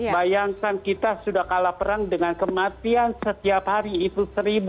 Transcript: bayangkan kita sudah kalah perang dengan kematian setiap hari itu seribu